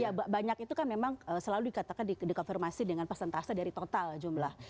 ya banyak itu kan memang selalu dikatakan dikonfirmasi dengan persentase dari total jumlah